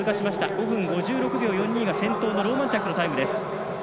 ５分５６秒４２が先頭のローマンチャックのタイム。